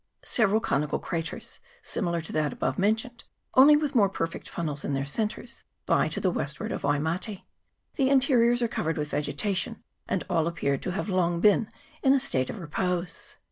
Several conical craters, similar to that above mentioned, only with more perfect funnels in their centres, lie to the eastward of Waimate. The in teriors are covered with vegetation, and all appear to have long been in a state of repose.